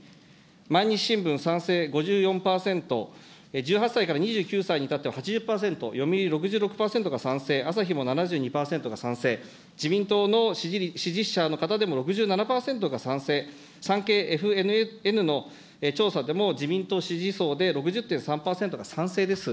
毎日新聞、賛成５４％、１８歳から２９歳にいたっては８０％、読売６６％が賛成、朝日も７２％が賛成、自民党の支持者の方でも６７％が賛成、産経ＦＮＮの調査でも自民党支持層で６０．３％が賛成です。